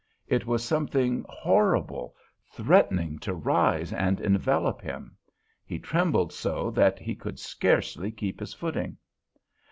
It was something horrible, threatening to rise and envelop him. He trembled so that he could scarcely keep his footing.